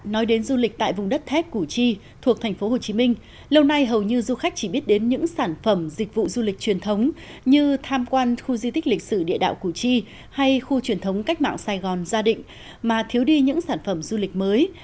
nói đến du lịch tại vùng đất thép củ chi thuộc tp hcm lâu nay hầu như du khách chỉ biết đến những sản phẩm dịch vụ du lịch truyền thống như tham quan khu di tích lịch sử địa đạo củ chi hay khu truyền thống cách mạng sài gòn gia đình mà thiếu đi những sản phẩm du lịch mới